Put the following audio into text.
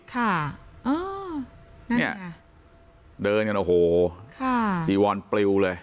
นี่ะเดินกันโอ้โหสีวอนปลิวเลย